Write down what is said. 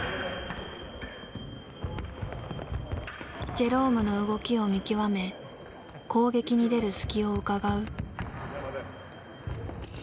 ジェロームの動きを見極め攻撃に出る隙をうかがう。